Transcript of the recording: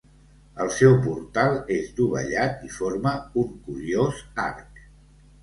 El seu portal és dovellat i forma un curiós arc.